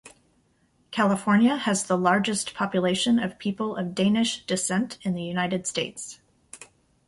California has the largest population of people of Danish descent in the United States.